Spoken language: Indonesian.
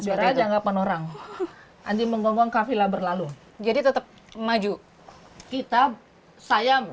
sejarah jangka penerang anjing mengomong kafila berlalu jadi tetap maju kita saya